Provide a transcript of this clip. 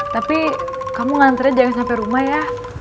tapi kamu ngantre jangan sampe rumah ya